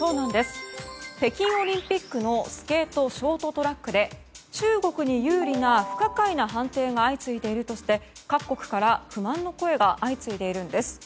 北京オリンピックのスケートショートトラックで中国に有利な不可解な判定が相次いでいるとして各国から不満の声が相次いでいるんです。